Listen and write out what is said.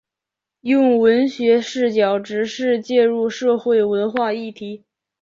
用文学视角直接介入社会文化议题。